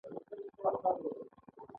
هغه په پاتې پیسو نور اومه توکي پېري